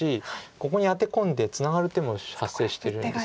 ここにアテ込んでツナがる手も発生してるんです。